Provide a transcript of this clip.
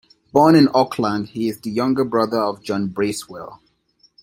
Born in Auckland, he is the younger brother of John Bracewell.